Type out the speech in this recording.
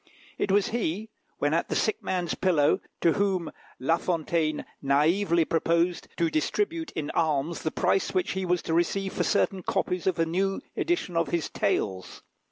It was he, when at the sick man's pillow, to whom La Fontaine naively proposed to distribute in alms the price which he was to receive for certain copies of a new edition of his "Tales."